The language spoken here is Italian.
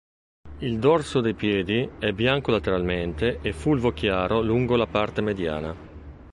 Il dorso dei piedi è bianco lateralmente e fulvo chiaro lungo la parte mediana.